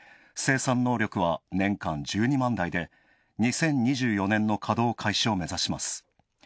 生産能力は年間１２万台で、２０２４年の稼働開始を目指します。